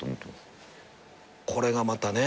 これがまたね。